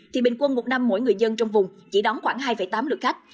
thì bình quân một năm mỗi người dân trong vùng chỉ đóng khoảng hai tám lực khách